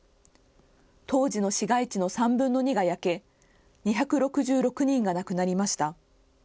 当時の市街地の３分の２が焼け２６６人が亡くなりました。